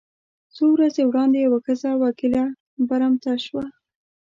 څو ورځې وړاندې یوه ښځه وکیله برمته شوه.